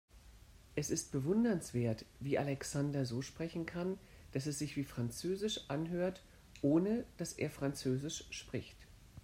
Es ist bewundernswert, wie Alexander so sprechen kann, dass es sich wie französisch anhört, ohne dass er französisch spricht.